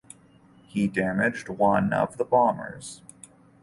He damaged one of the bombers.